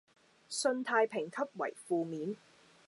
信貸評級為負面